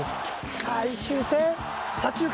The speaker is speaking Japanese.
最終戦左中間。